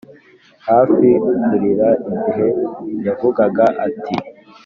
hafi kurira igihe yavugaga ati,